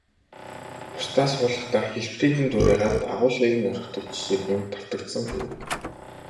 Бусдаас хуулахдаа хэлбэрийг нь дуурайгаад, агуулгыг нь орхидог жишиг энд давтагдсан хэрэг.